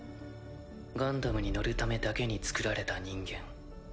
ガンダムに乗るためだけにつくられた人間。